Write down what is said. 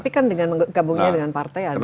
tapi kan gabungnya dengan partai ada